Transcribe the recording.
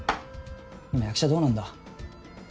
今役者どうなんだ？